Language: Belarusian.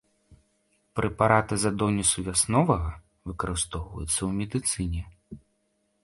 Прэпараты з адонісу вясновага выкарыстоўваюцца ў медыцыне.